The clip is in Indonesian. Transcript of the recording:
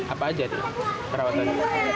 apa saja perawatan